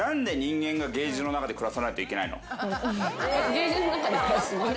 ケージの中で暮らす？